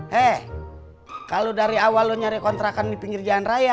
hei kalau dari awal lo nyari kontrakan di pinggir jalan raya